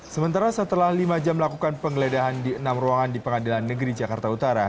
sementara setelah lima jam melakukan penggeledahan di enam ruangan di pengadilan negeri jakarta utara